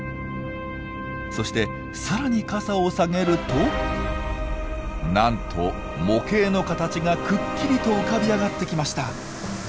そして更に傘を下げるとなんと模型の形がくっきりと浮かび上がってきました！